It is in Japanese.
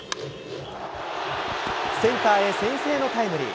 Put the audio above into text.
センターへ先制のタイムリー。